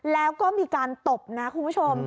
แล้วก็มีการตบนะคุณผู้ชม